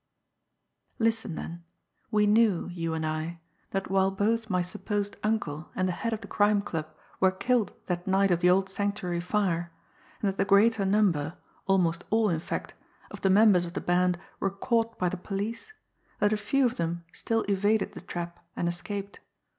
"Listen, then! We knew, you and I, that while both my supposed uncle and the head of the Crime Club were killed that night of the old Sanctuary fire, and that the greater number, almost all in fact, of the members of the band were caught by the police, that a few of them still evaded the trap and escaped.